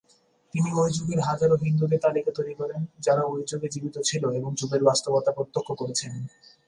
তিনি ঐ যুগের হাজারো হিন্দুদের তালিকা তৈরী করেন, যারা ঐ যুগে জীবিত ছিল এবং যুগের বাস্তবতা প্রত্যক্ষ করেছেন।